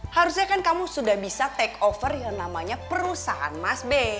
harusnya kan kamu sudah bisa take over yang namanya perusahaan mas b